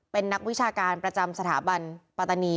เป็นนักวิชาการประจำสถาบันปัตตานี